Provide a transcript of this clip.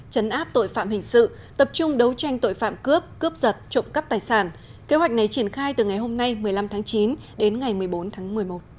chấn áp tội phạm hình sự tập trung đấu tranh tội phạm cướp cướp giật trộm cắp tài sản kế hoạch này triển khai từ ngày hôm nay một mươi năm tháng chín đến ngày một mươi bốn tháng một mươi một